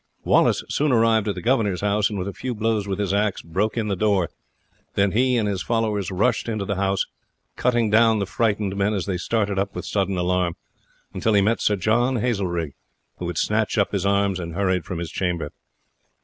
Wallace soon arrived at the governor's house, and with a few blows with his axe broke in the door; then he and his followers rushed into the house, cutting down the frightened men as they started up with sudden alarm, until he met Sir John Hazelrig, who had snatched up his arms and hurried from his chamber.